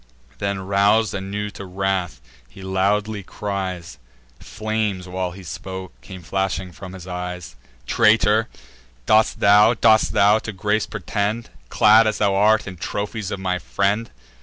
Then, rous'd anew to wrath, he loudly cries (Flames, while he spoke, came flashing from his eyes) "Traitor, dost thou, dost thou to grace pretend, Clad, as thou art, in trophies of my friend?